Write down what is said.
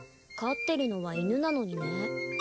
飼ってるのは犬なのにね。